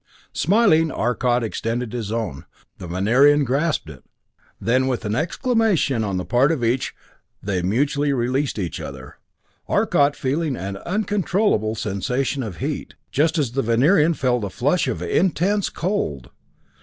Smiling, Arcot extended his own. The Venerian grasped it then with an exclamation on the part of each, they mutually released each other, Arcot feeling an uncomfortable sensation of heat, just as the Venerian felt a flash of intense cold!